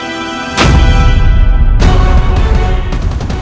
dia belum sepenuhnya mengenal seluruh watak prajurit